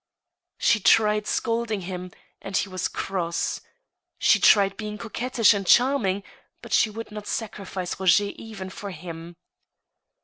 She tried scolding him, and he was cross. She tried being co quettish and charming, but she would not sacrifice Roger even for him.